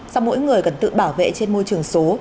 sau mỗi người cần tự bảo vệ trên môi trường số